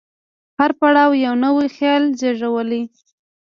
هر پړاو یو نوی خیال زېږولی.